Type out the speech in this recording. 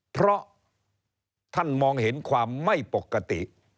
เพราะท่านมองเห็นความไม่ปกติ